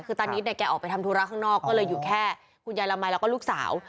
คือตอนนี้เนี่ยแกออกไปทำธุระข้างนอกก็เลยอยู่แค่คุณยายละมัยแล้วก็ลูกสาว